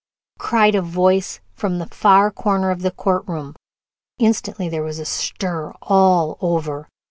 cried a voice from the far corner of the court room. Instantly there was a stir all over.